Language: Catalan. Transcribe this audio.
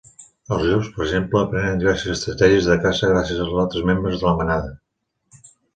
Els llops, per exemple, aprenen diverses estratègies de caça gràcies als altres membres de la manada.